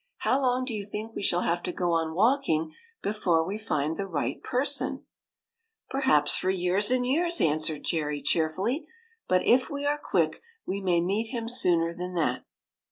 *' How long do you think we shall have to go on walking before we find the right person ?"" Perhaps for years and years," answered Jerry, cheerfully. " But if we are quick, we may meet him sooner than that."